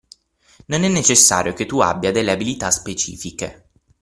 Non è necessario che tu abbia delle abilità specifiche.